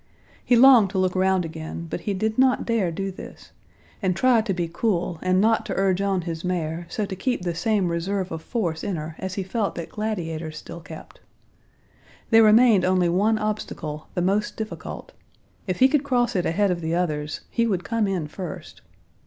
He longed to look round again, but he did not dare do this, and tried to be cool and not to urge on his mare so to keep the same reserve of force in her as he felt that Gladiator still kept. There remained only one obstacle, the most difficult; if he could cross it ahead of the others he would come in first.